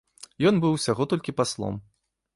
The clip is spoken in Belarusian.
Ён быў усяго толькі паслом.